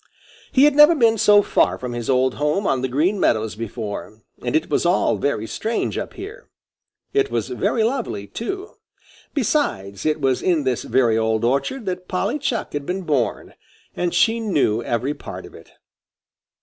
He had never been so far from his old home on the Green Meadows before, and it was all very strange up here. It was very lovely, too. Besides, it was in this very old orchard that Polly Chuck had been born, and she knew every part of it.